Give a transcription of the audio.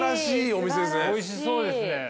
おいしそうですね。